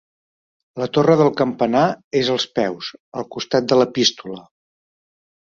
La torre del campanar és als peus, al costat de l'epístola.